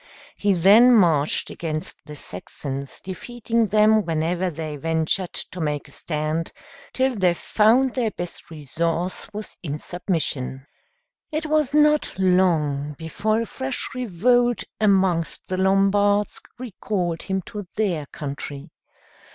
He then marched against the Saxons, defeating them whenever they ventured to make a stand, till they found their best resource was in submission. It was not long before a fresh revolt amongst the Lombards recalled him to their country.